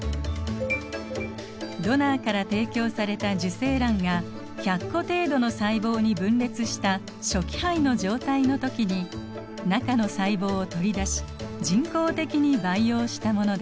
ドナーから提供された受精卵が１００個程度の細胞に分裂した初期胚の状態の時に中の細胞を取り出し人工的に培養したものです。